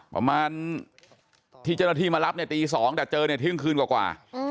ประมาณที่เจ้าหน้าที่มารับเนี่ยตี๒แต่เจอเนี่ยเที่ยงคืนกว่า